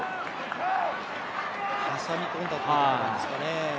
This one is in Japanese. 挟み込んだということなんですかね。